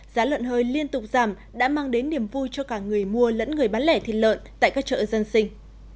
giá lợn hơi liên tục giảm đã mang đến niềm vui cho cả người mua lẫn người bán lẻ thịt lợn tại các chợ dân sinh